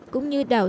cũng như đảo